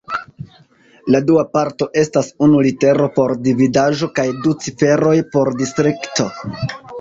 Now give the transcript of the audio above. La dua parto estas unu litero por dividaĵo kaj du ciferoj por distrikto.